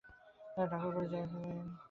ঠাকুরবাড়িটি জয়কালীর সর্বাপেক্ষা যত্নের ধন ছিল।